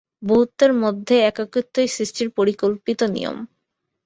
বহুত্বের মধ্যে একত্বই সৃষ্টির পরিকল্পিত নিয়ম।